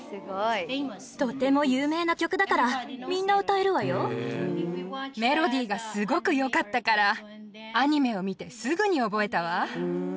とても有名な曲だから、メロディーがすごくよかったから、アニメを見てすぐに覚えたわ。